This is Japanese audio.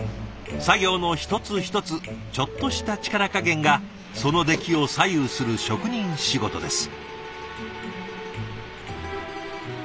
作業の一つ一つちょっとした力加減がその出来を左右する職人仕事です。